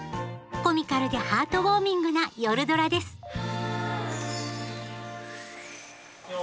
コミカルでハートウォーミングな「夜ドラ」ですよ